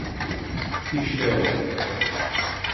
İşte o…